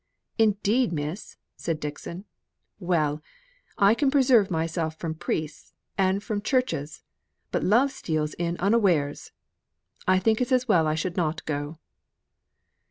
"Indeed, Miss!" said Dixon; "well! I can preserve myself from priests, and from churches; but love steals in unawares! I think it's as well I should not go."